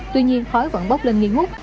tuy nhiên khói vẫn bóp lên nghi ngút